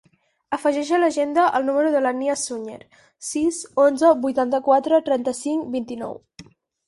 Afegeix a l'agenda el número de la Nia Suñer: sis, onze, vuitanta-quatre, trenta-cinc, vint-i-nou.